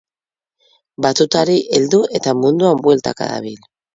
Batutari heldu eta munduan bueltaka dabil.